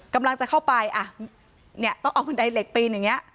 กำลังจะเข้าไปอ่ะเนี่ยต้องเอาบันไดเหล็กปีนอย่างนี้